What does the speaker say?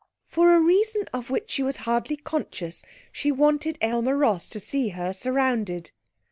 For a reason of which she was hardly conscious, she wanted Aylmer Ross to see her surrounded.